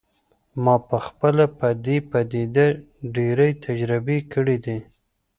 ما پخپله په دې پدیده ډیرې تجربې کړي دي